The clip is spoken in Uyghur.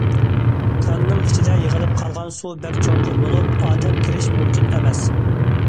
كاننىڭ ئىچىدە يىغىلىپ قالغان سۇ بەك چوڭقۇر بولۇپ، ئادەم كىرىش مۇمكىن ئەمەس.